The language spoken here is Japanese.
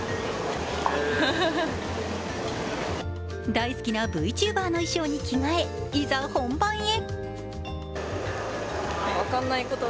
大好きなＶＴｕｂｅｒの衣装に着替えいざ本番へ。